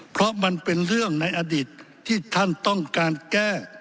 เพราะมันเป็นเรื่องในอดีตที่ท่านต้องการแก้